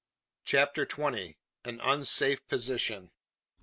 CHAPTER TWENTY. AN UNSAFE POSITION.